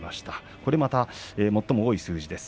これまた最も多い数字です。